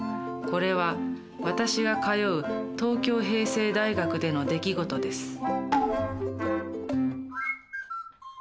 これは私が通う東京平成大学での出来事です。